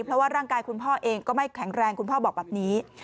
เพราะว่าร่างกายคุณพ่อเองก็ไม่แข็งแรงคุณพ่อบอกแบบนี้